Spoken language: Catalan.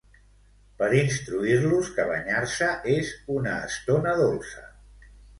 Per instruir-los que banyar-se és una estona dolça.